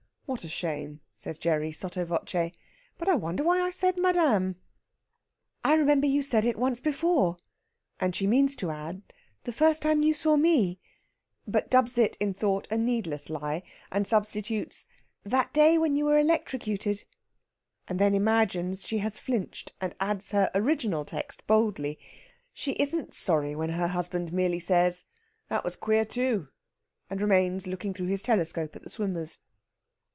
"What a shame!" says Gerry sotto voce. "But I wonder why I said 'madame'!" "I remember you said it once before." And she means to add "the first time you saw me," but dubs it, in thought, a needless lie, and substitutes, "that day when you were electrocuted." And then imagines she has flinched, and adds her original text boldly. She isn't sorry when her husband merely says, "That was queer too!" and remains looking through his telescope at the swimmers.